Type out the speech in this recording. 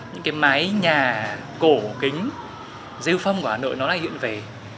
những cái mái nhà cổ kính rêu phong của hà nội nó lại hiện về